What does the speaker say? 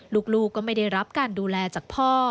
ลูกก็ไม่ได้รับการดูแลจากพ่อ